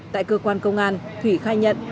tại cơ quan công an thủy khai nhận